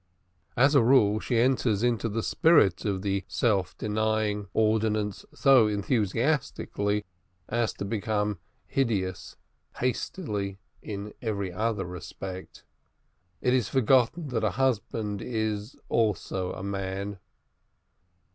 As a rule, she enters into the spirit of the self denying ordinance so enthusiastically as to become hideous hastily in every other respect. It is forgotten that a husband is also a man.